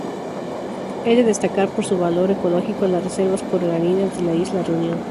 Es de destacar por su valor ecológico, las reservas coralinas de la Isla Reunión.